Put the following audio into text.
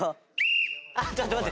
あっちょっと待って。